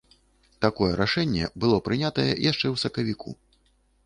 Такое рашэнне было прынятае яшчэ ў сакавіку.